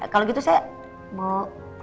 kalau gitu saya mau